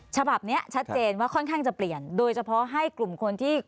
ฉบับนี้ชัดเจนว่าค่อนข้างจะเปลี่ยนโดยเฉพาะให้กลุ่มคนที่